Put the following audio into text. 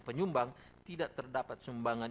penyumbang tidak terdapat sumbangan